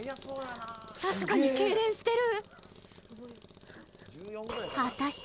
確かに、けいれんしてる。